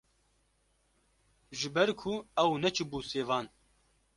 Ji ber ku ew neçûbû sêvan